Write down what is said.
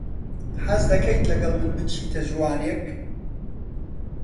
حەز دەکەیت لەگەڵ من بچیتە ژوانێک؟